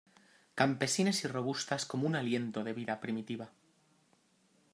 campesinas y robustas como un aliento de vida primitiva.